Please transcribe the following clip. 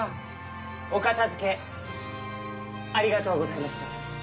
おかたづけありがとうございました。